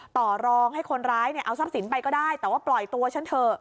ต่อรองให้คนร้ายเนี่ยเอาทรัพย์สินไปก็ได้แต่ว่าปล่อยตัวฉันเถอะ